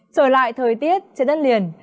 trở lại thời tiết trên đất liền